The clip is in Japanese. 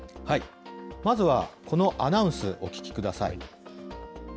まずはこのアナウンス、お聞きください。